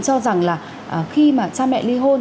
cho rằng là khi mà cha mẹ ly hôn